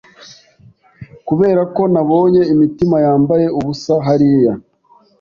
Kuberako nabonye imitima yambaye ubusa hariya